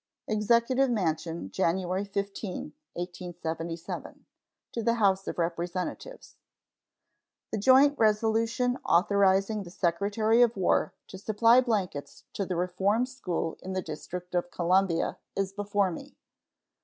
EXECUTIVE MANSION, January 15, 1877. To the House of Representatives: The joint resolution authorizing the Secretary of War to supply blankets to the Reform School in the District of Columbia is before me.